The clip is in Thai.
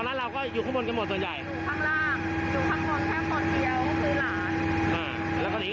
เพราะว่าเขาบอกปะโตรมันก็บอกแล้ว